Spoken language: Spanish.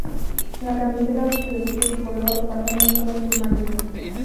La camiseta oscureció su color, pasando a ser azul marino.